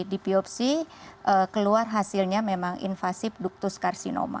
di biopsi keluar hasilnya memang invasif ductus carcinoma